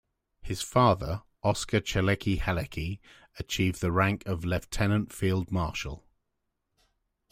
His father, Oscar Chalecki-Halecki, achieved the rank of Lieutenant Field-marshal.